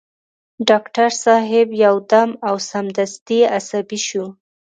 ډاکټر صاحب يو دم او سمدستي عصبي شو.